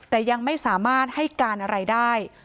แต่ยังไม่สามารถให้การอะไรได้